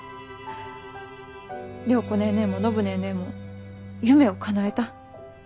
良子ネーネーも暢ネーネーも夢をかなえた。